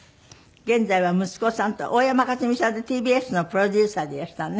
現在は息子さんと大山勝美さんってＴＢＳのプロデューサーでいらしたのね。